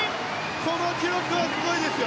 この記録はすごいですよ！